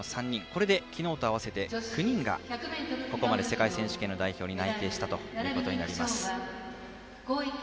これで昨日と合わせて９人がここまで世界選手権の代表に内定したということになります。